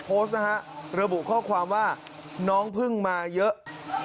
โพสต์นะฮะเหลือบุคอความว่าน้องพึ่งมาเยอะ